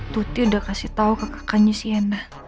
tuti sudah memberitahu ke kakaknya sienna